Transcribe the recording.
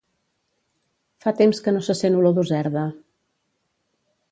Fa temps que no se sent olor d'userda